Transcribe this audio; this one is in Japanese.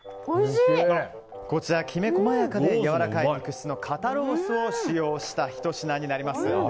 こちら、きめ細やかでやわらかい肉質の肩ロースを使用したひと品になります。